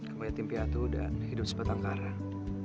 kamu yatim piatu dan hidup sebatang karang